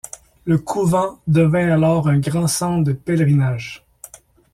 Le couvent devint alors un grand centre de pèlerinage.